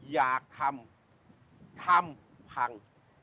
อยากทำทำพัง